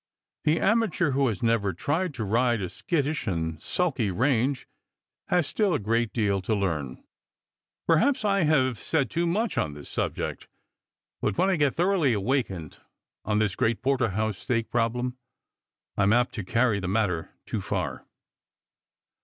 The amateur who has never tried to ride a skittish and sulky range has still a great deal to learn. Perhaps I have said too much on this subject, but when I get thoroughly awakened on this great porterhouse steak problem I am apt to carry the matter too far.